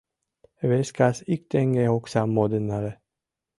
Вес кас ик теҥге оксам модын нале.